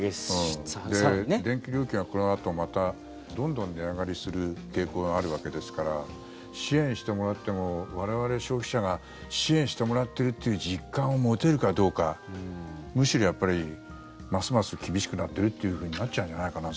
電気料金がこのあとまたどんどん値上がりする傾向があるわけですから支援してもらっても我々、消費者が支援してもらってるという実感を持てるかどうかむしろ、ますます厳しくなってるというふうになっちゃうんじゃないかな。